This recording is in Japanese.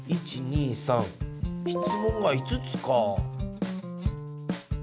１２３質問が５つかぁ。